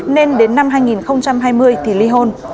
nên đến năm hai nghìn hai mươi thì ly hôn